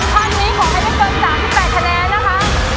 ข้อนี้ขอให้ได้เกิน๓๘คะแนนนะคะ